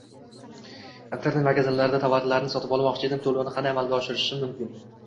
Internet magazinlarda tovarlarni sotib olmoqchi edim, to‘lovni qanday amalga oshirishim mumkin?